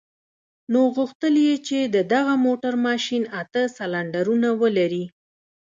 نو غوښتل يې چې د دغه موټر ماشين اته سلنډرونه ولري.